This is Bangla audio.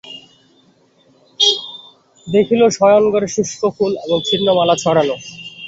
দেখিল, শয়নঘরে শুষ্ক ফুল এবং ছিন্ন মালা ছড়ানো।